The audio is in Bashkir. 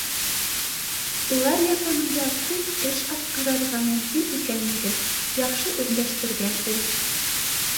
Улар ярҙамында күп эш атҡарырға мөмкин икәнлеген яҡшы үҙләштергән ул